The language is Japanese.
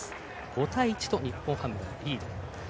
５対１と日本ハムがリード。